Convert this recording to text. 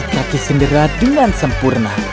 kaki cinderella dengan sempurna